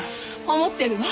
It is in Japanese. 思ってるわ。